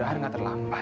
iya serius ma tenang aja